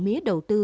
mía đầu tư